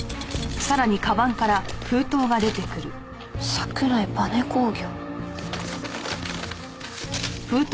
「桜井バネ工業」。